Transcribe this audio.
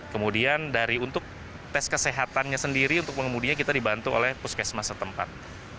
kemudian untuk tes kesehatannya sendiri untuk pengemudinya kita dibantu oleh puskesmas setempat